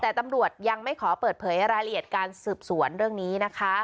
แต่ตำรวจยังไม่ขอเปิดเผยรายละเอียดการสืบสวนเรื่องนี้นะคะ